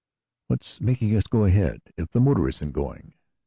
"What's making us go ahead, if the motor isn't going?"